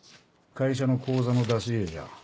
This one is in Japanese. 会社の口座の出し入れじゃ。